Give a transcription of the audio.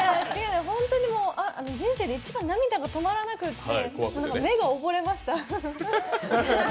本当に人生で一番涙が止まらなくて、目が溺れました。